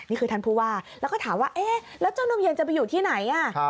นี่คือท่านผู้ว่าแล้วก็ถามว่าเอ๊ะแล้วเจ้านมเย็นจะไปอยู่ที่ไหน